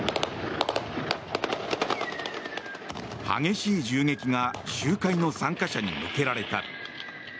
激しい銃撃が集会の参加者に向けられた。